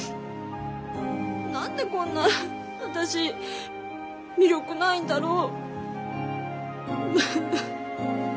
何でこんな私魅力ないんだろう。